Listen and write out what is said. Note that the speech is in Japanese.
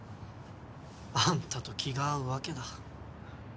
あんたと気が合うわけだ。